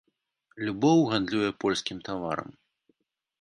Любоў гандлюе польскім таварам.